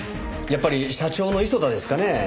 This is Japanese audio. やっぱり社長の磯田ですかね？